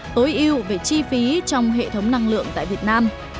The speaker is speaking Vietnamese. tối ưu về chi phí trong hệ thống năng lượng tại việt nam